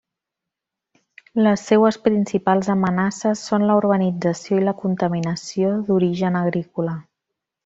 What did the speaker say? Les seues principals amenaces són la urbanització i la contaminació d'origen agrícola.